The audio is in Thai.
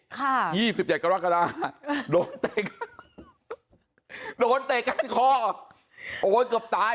ยี่สิบเจ็ดกรกฎาโดนเตะโดนเตะก้านคอโอ้ยเกือบตาย